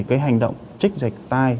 cái hành động chích giải tai